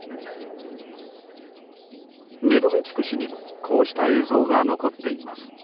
メドベチュク氏にもこうした映像が残っています。